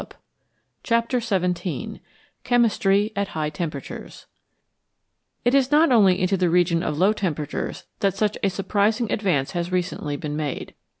192 CHAPTER XVII CHEMISTRY AT HIGH TEMPERATURES IT is not only into the region of low temperatures that such a surprising advance has recently been made.